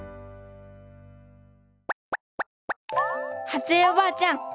ハツ江おばあちゃん